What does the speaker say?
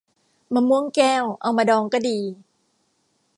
มะม่วงแก้ว เอามาดองก็ดี